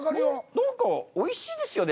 何かおいしいですよね